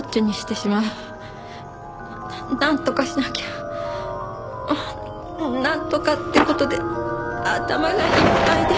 なんとかしなきゃなんとかって事で頭がいっぱいで。